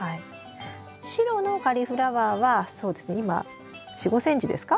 白のカリフラワーはそうですね今４５ｃｍですか？